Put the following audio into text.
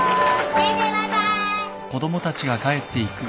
先生バイバーイ。